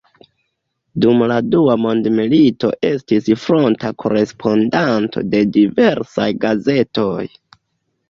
Dum dua mondmilito estis fronta korespondanto de diversaj gazetoj.